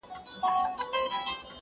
موږ مالي وسايلو ته اړتيا لرو.